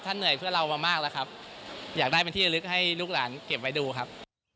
ท่านเหนื่อยเพื่อเรามามากแล้วครับ